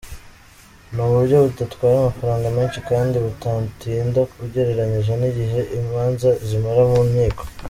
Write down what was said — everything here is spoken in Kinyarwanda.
Ni uburyo budatwara amafaranga menshi kandi budatinda ugereranyije n’igihe imanza zimara mu nkiko.